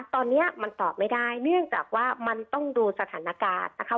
ตอนนี้มันตอบไม่ได้เนื่องจากว่ามันต้องดูสถานการณ์นะคะ